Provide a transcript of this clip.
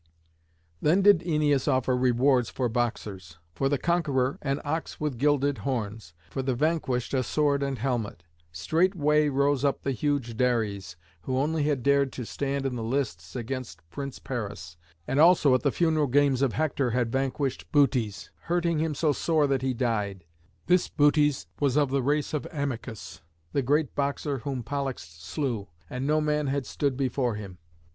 Then did Æneas offer rewards for boxers: for the conqueror an ox with gilded horns; for the vanquished a sword and helmet. Straightway rose up the huge Dares, who only had dared to stand in the lists against Prince Paris, and also at the funeral games of Hector had vanquished Butes, hurting him so sore that he died. (This Butes was of the race of Amycus, the great boxer whom Pollux slew, and no man had stood before him.)